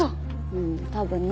うん多分ね。